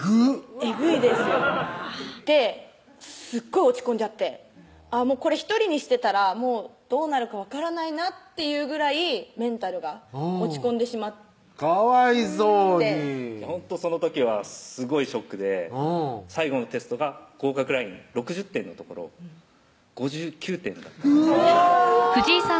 えぐいですよですっごい落ち込んじゃってこれ１人にしてたらもうどうなるかわからないなっていうぐらいメンタルが落ち込んでしまってかわいそうにほんとその時はすごいショックで最後のテストが合格ライン６０点のところ５９点だったうわ！